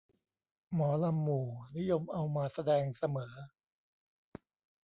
หมอลำหมู่นิยมเอามาแสดงเสมอ